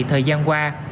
thời gian qua